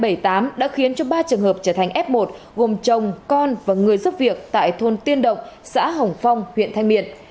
bệnh nhân hai nghìn hai trăm bảy mươi tám đã khiến cho ba trường hợp trở thành f một gồm chồng con và người giúp việc tại thôn tiên động xã hồng phong huyện thanh miện